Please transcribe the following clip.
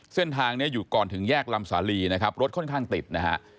เส้นทางนี้อยู่ก่อนถึงแยกลำสาลีนะครับรถค่อนข้างติดนะฮะ